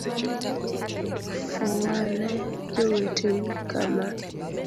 Fuwa ne joweteu kama.